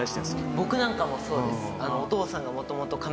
僕なんかもそうです。